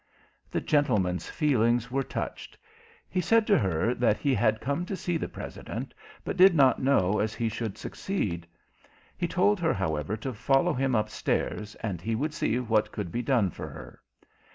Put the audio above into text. The gentleman's feelings were touched. He said to her that he had come to see the President, but did not know as he should succeed. He told her, however, to follow him upstairs, and he would see what could be done for her.